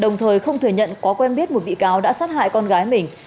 đồng thời không thừa nhận có quen biết một bị cáo đã sát hại con gái mình